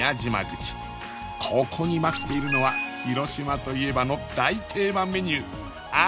ここに待っているのは広島といえばの大定番メニューあ